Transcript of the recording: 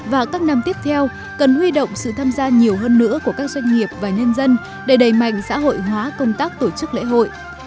vào các năm tiếp theo cần huy động sự tham gia nhiều hơn nữa của các doanh nghiệp và nhân dân để đẩy mạnh xã hội hóa công tác tổ chức lễ hội